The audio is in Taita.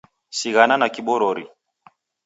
Sighana na kiborori